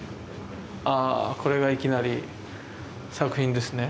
あこれがいきなり作品ですね。